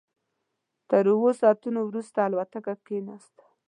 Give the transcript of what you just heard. تر اوو ساعتونو وروسته الوتکه کېناسته.